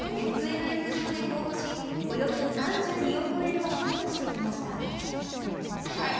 ＳＮＳ上で公募しおよそ３２億円を寄付してきましたはい！